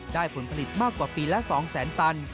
ผลผลิตมากกว่าปีละ๒แสนตัน